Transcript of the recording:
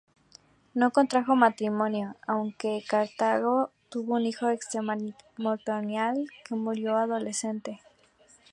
No contrajo matrimonio, aunque en Cartago tuvo un hijo extramatrimonial que murió adolescente.